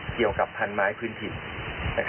เกี่ยวกับพันไม้พื้นถิ่น